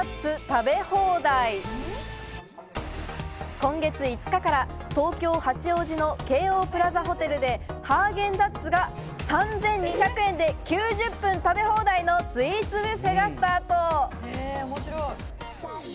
今月５日から東京・八王子の京王プラザホテル八王子でハーゲンダッツが３２００円で９０分食べ放題のスイーツブッフェがスタート。